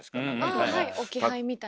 ああはい置き配みたいな。